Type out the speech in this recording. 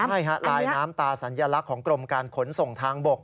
ใช่ฮะลายน้ำตาสัญลักษณ์ของกรมการขนส่งทางบก